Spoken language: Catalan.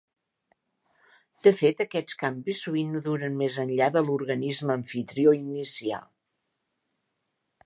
De fet, aquests canvis sovint no duren més enllà de l'organisme amfitrió inicial.